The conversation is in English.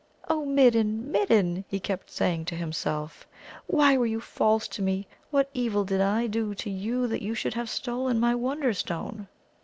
"O Midden, Midden!" he kept saying to himself; "why were you false to me? What evil did I do to you that you should have stolen my Wonderstone?"